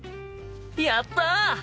やった！